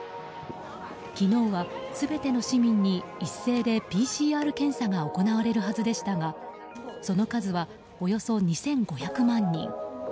昨日は、全ての市民に一斉でＰＣＲ検査が行われるはずでしたがその数は、およそ２５００万人。